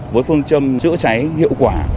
với phương châm chữa cháy hiệu quả